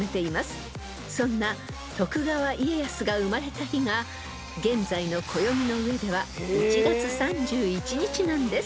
［そんな徳川家康が生まれた日が現在の暦の上では１月３１日なんです］